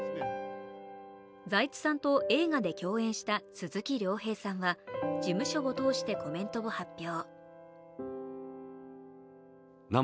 財津さんと映画で共演した鈴木亮平さんは事務所を通してコメントを発表。